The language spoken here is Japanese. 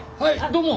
どうも！